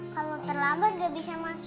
kalo terlambat gak bisa masuk